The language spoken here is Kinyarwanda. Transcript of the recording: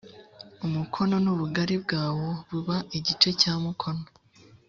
umukono n ubugari bwawo buba igice cya mukono